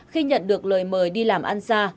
khi nhận được lời mời đi làm ăn xa